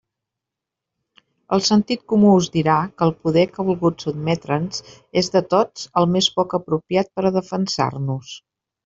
El sentit comú us dirà que el poder que ha volgut sotmetre'ns és, de tots, el més poc apropiat per a defensar-nos.